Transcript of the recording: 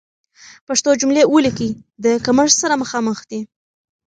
پښتو جملې وليکئ، د کمښت سره مخامخ دي.